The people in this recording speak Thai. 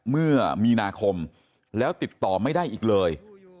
เมื่อมีนาคมแล้วติดต่อไม่ได้อีกเลย